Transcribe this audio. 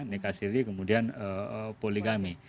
nikah siri kemudian poligami